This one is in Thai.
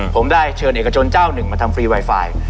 ผมได้เชิญเอกชนเจ้าหนึ่งมาทำฟรีไวไฟ